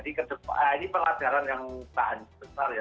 ini pelajaran yang tahan besar ya